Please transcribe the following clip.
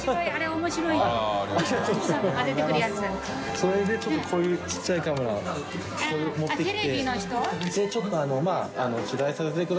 それでちょっとこういう小さいカメラ持ってきて。